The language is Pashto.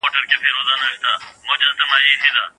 دې ښکاري ته رسېدلی یو کمال و